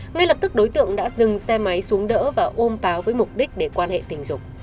ngay lập tức đối tượng đã dừng xe máy xuống đỡ và ôm pháo với mục đích để quan hệ tình dục